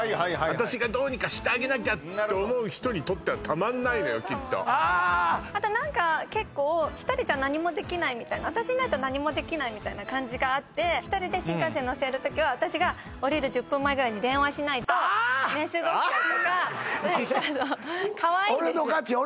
私がどうにかしてあげなきゃと思う人にとってはたまんないのよきっとあと何か結構１人じゃ何もできないみたいな私いないと何もできないみたいな感じがあって１人で新幹線乗せる時は私が降りる１０分前ぐらいに電話しないと寝過ごしちゃうとかかわいいんですよ